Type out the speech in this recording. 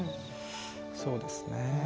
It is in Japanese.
そうですね。